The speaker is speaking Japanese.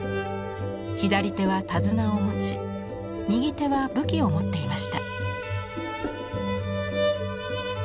左手は手綱を持ち右手は武器を持っていました。